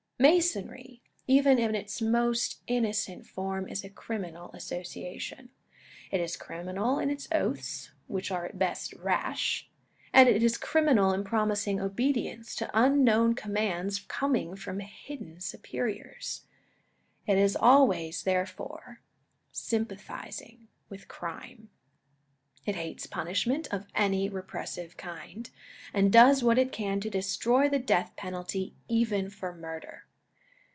Masonry, even in its most innocent form, is a criminal association. It is criminal in its oaths, which are at best rash ; and it is criminal in promising obedience to unknown commands coming from hidden superiors. It always, therefore, sympathises with crime. It hates punishment of any repressive kind, and does what it can to destroy the death penalty even for murder.